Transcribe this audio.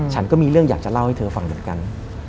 ฉันก็มีเรื่องอยากจะเล่าให้เธอฟังเหมือนกัน